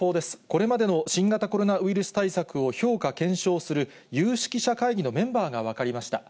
これまでの新型コロナウイルス対策を評価、検証する有識者会議のメンバーが分かりました。